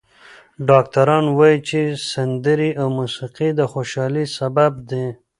ډاکټران وايي چې سندرې او موسیقي د خوشحالۍ سبب دي.